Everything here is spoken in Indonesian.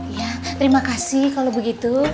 ya terima kasih kalau begitu